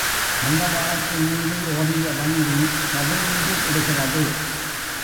தண்டவாளத்தின் மீது ஓடிய வண்டி கவிழ்ந்து விடுகிறது.